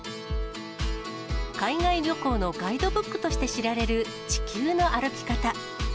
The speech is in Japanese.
海外旅行のガイドブックとして知られる、地球の歩き方。